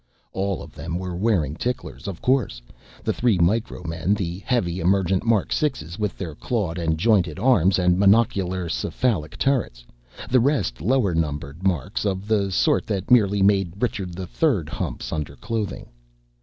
All of them were wearing ticklers, of course the three Micro men the heavy emergent Mark 6s with their clawed and jointed arms and monocular cephalic turrets, the rest lower numbered Marks of the sort that merely made Richard the Third humps under clothing.